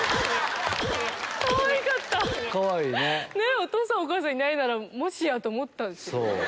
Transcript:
お父さんお母さんいないならもしや！と思ったんですけどね。